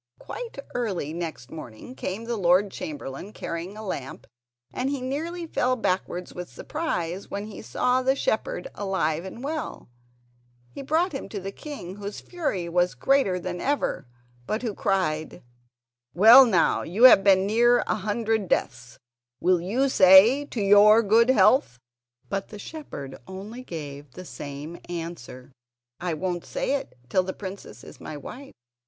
Quite early next morning came the Lord Chamberlain, carrying a lamp and he nearly fell backwards with surprise when he saw the shepherd alive and well. He brought him to the king, whose fury was greater than ever, but who cried: "Well, now you have been near a hundred deaths; will you say: 'To your good health'?" But the shepherd only gave the same answer: "I won't say it till the princess is my wife."